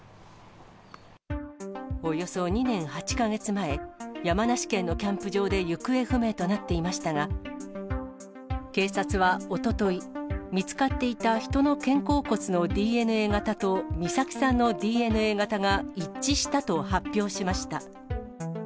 およそ２年８か月前、山梨県のキャンプ場で行方不明となっていましたが、警察はおととい、見つかっていた人の肩甲骨のＤＮＡ型と美咲さんのＤＮＡ型が一致したと発表しました。